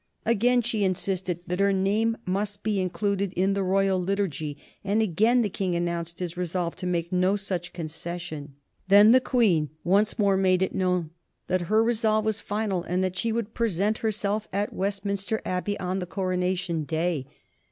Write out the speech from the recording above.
Again she insisted that her name must be included in the Royal Liturgy, and again the King announced his resolve to make no such concession. Then the Queen once more made it known that her resolve was final, and that she would present herself at Westminster Abbey on the Coronation Day.